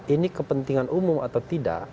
ini kepentingan umum atau tidak